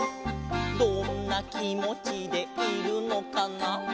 「どんなきもちでいるのかな」